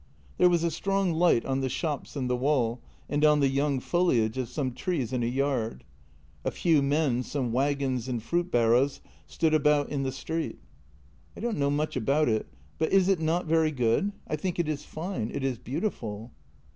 There was a strong light on the shops and the wall, and on the young foliage of some trees in a yard. A few men, some wagons and fruit barrows stood about in the street. " I don't know much about it, but is it not very good? I think it is fine — it is beautiful."